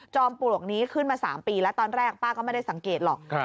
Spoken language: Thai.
จอมปลวงนี่ขึ้นมาสามปีแล้วตอนแรกป้าก็ไม่ได้สังเกตหรอกครับ